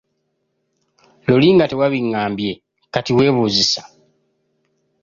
Luli nga tewabingambye, kati weebuuzisa.